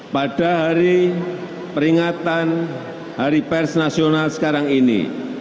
pada hari peringatan hari pers nasional sekarang ini